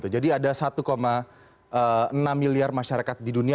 ada satu enam miliar masyarakat di dunia